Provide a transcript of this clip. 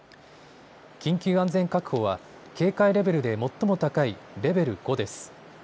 緊急安全確保は警戒レベルで最も高いレベル５です。